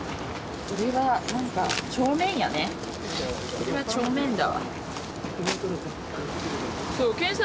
これは帳面だわ。